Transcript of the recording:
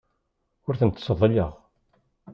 Ur ten-ttseḍḍileɣ.